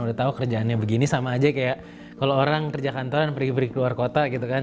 udah tau kerjaannya begini sama aja kayak kalau orang kerja kantoran pergi pergi ke luar kota gitu kan